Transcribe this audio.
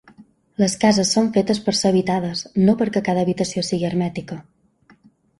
Les cases són fetes per ser habitades, no perquè cada habitació sigui hermètica.